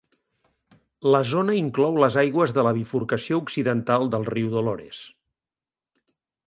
La zona inclou les aigües de la bifurcació occidental del riu Dolores.